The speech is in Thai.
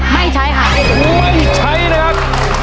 ไม่ใช้ค่ะไม่ใช้นะครับ